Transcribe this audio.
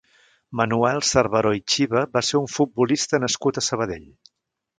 Manuel Cerveró i Chiva va ser un futbolista nascut a Sabadell.